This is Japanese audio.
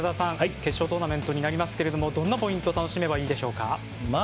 決勝トーナメントになりますけれどもどんなポイント楽しめばいいでしょうか？